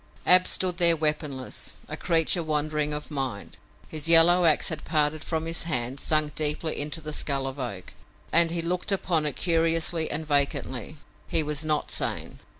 Ab stood there weaponless, a creature wandering of mind. His yellow ax had parted from his hand, sunk deeply into the skull of Oak, and he looked upon it curiously and vacantly. He was not sane.